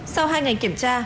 sau hai ngày kiểm tra